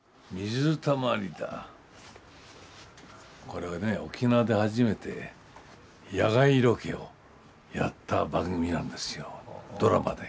これはね沖縄で初めて野外ロケをやった番組なんですよドラマで。